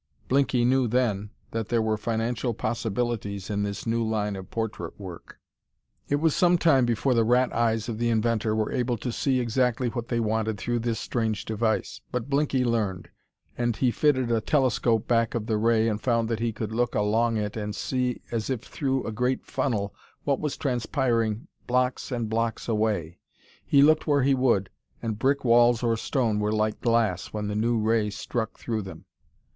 Blinky knew then that there were financial possibilities in this new line of portrait work. It was some time before the rat eyes of the inventor were able to see exactly what they wanted through this strange device, but Blinky learned. And he fitted a telescope back of the ray and found that he could look along it and see as if through a great funnel what was transpiring blocks and blocks away; he looked where he would, and brick walls or stone were like glass when the new ray struck through them.